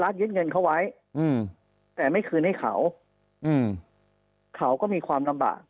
เสมมัยให้เขาอืม